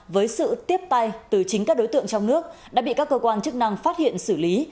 với sự tiếp tay từ chính các đối tượng trong nước đã bị các cơ quan chức năng phát hiện xử lý